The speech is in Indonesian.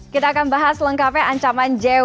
kita akan bahas lengkapnya ancaman jw